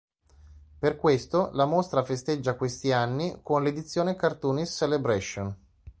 Per questo, la mostra festeggia questi anni con l'edizione "Cartoonist's Celebration".